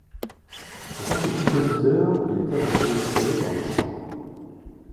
En tant que compositeur, il est avant tout inspiré par le chant.